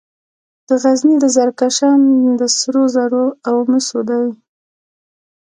د غزني د زرکشان کان د سرو زرو او مسو دی.